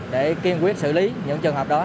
để kiên quyết xử lý những trường hợp đó